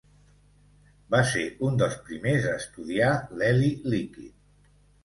Va ser un dels primers a estudiar l'heli líquid.